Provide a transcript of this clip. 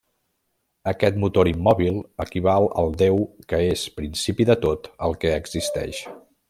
Aquest motor immòbil equival al déu que és principi de tot el que existeix.